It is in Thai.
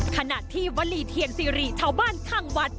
ขณะที่วลีเทียนซีรีชาวบ้านข้างวัด